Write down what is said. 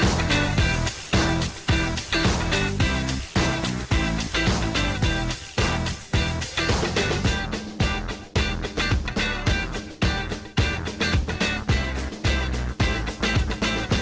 โปรดติดตามตอนต่อไป